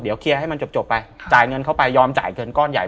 เดี๋ยวเคลียร์ให้มันจบไปจ่ายเงินเข้าไปยอมจ่ายเงินก้อนใหญ่